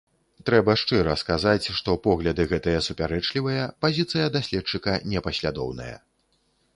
Трэба шчыра сказаць, што погляды гэтыя супярэчлівыя, пазіцыя даследчыка непаслядоўная.